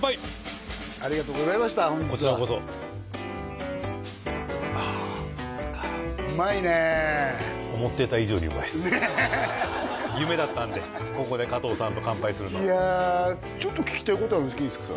ありがとうございました本日はこちらこそうまいね思ってた以上にうまいっす夢だったんでここで加藤さんと乾杯するのいやちょっと聞きたいことあるんですけどいいですか？